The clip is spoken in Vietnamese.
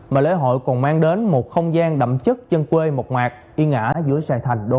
mà lễ hội còn mang đến một không gian đậm chất chân quê mộc mạc yên ả giữa xài thành đô hội